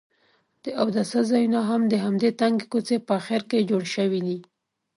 د اوداسه ځایونه هم د همدې تنګې کوڅې په اخر کې جوړ شوي دي.